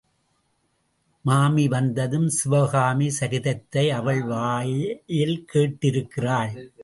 மாமி வந்ததும் சிவகாமி சரிதத்தை அவள் வாயில் கேட்டிருக்கிறாள்.